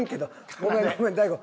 ごめんごめん大悟